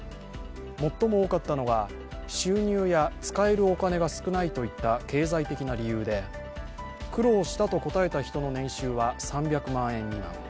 最も多かったのが収入や使えるお金が少ないといった経済的な理由で苦労したと答えた人の年収は３００万円未満。